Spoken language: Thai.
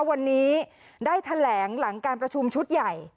วันนี้ได้แถลงหลังการประชุมชุดใหญ่